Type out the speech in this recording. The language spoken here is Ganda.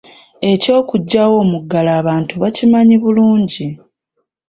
Eky'okugyawo omuggalo abantu bakimanyi bulungi.